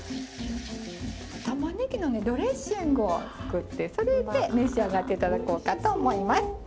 玉ねぎのねドレッシングを作ってそれで召し上がって頂こうかと思います。